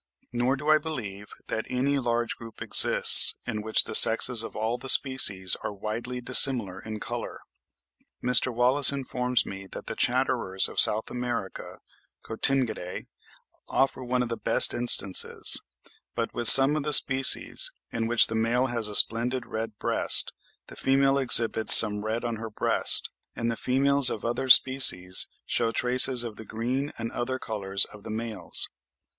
Nor do I believe that any large group exists in which the sexes of all the species are widely dissimilar in colour: Mr. Wallace informs me that the chatterers of S. America (Cotingidae) offer one of the best instances; but with some of the species, in which the male has a splendid red breast, the female exhibits some red on her breast; and the females of other species shew traces of the green and other colours of the males.